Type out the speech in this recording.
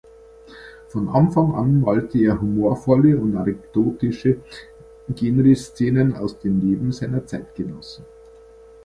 Vom Anfang an malte er humorvolle und anekdotische Genreszenen aus dem Leben seiner Zeitgenossen.